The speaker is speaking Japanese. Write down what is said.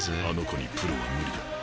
あの子にプロは無理だ。